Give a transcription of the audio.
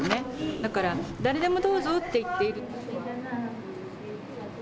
だから誰でもどうぞって言ってる。